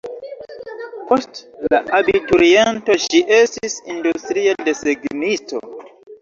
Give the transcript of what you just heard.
Post la abituriento ŝi estis industria desegnisto.